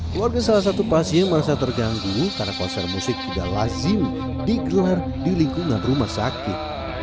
keluarga salah satu pasien merasa terganggu karena konser musik tidak lazim digelar di lingkungan rumah sakit